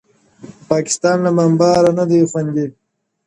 د پاکستان له بمباره نه دی خوندي